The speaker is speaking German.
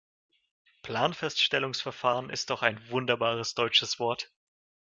Planfeststellungsverfahren ist doch ein wunderbares deutsches Wort.